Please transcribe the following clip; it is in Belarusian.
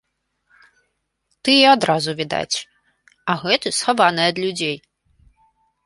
Тыя адразу відаць, а гэты схаваны ад людзей.